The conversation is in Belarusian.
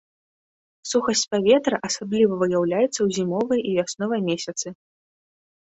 Сухасць паветра асабліва выяўляецца ў зімовыя і вясновыя месяцы.